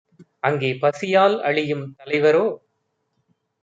அங்கே பசியால் அழியும் தலைவரோ